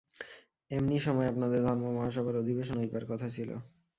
এমনি সময় আপনাদের ধর্ম-মহাসভার অধিবেশন হইবার কথা ছিল।